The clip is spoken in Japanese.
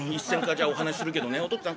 じゃお話するけどねお父っつぁん